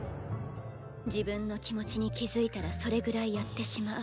自分の気持ちに気付いたらそれぐらいやってしまう。